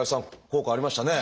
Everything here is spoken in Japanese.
効果ありましたね。